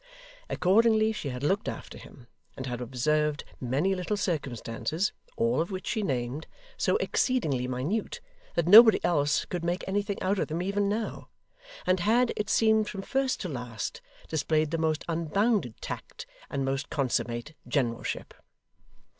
Accordingly, she had looked after him, and had observed many little circumstances (all of which she named) so exceedingly minute that nobody else could make anything out of them even now; and had, it seemed from first to last, displayed the most unbounded tact and most consummate generalship.